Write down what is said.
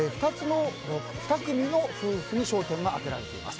２組の夫婦に焦点が当てられています。